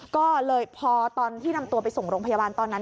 ก็เลยพอตอนที่นำตัวไปส่งโรงพยาบาลตอนนั้น